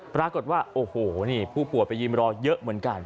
ปรากฏว่าโอ้โหนี่ผู้ป่วยไปยืมรอเยอะเหมือนกัน